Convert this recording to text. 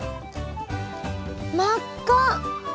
真っ赤！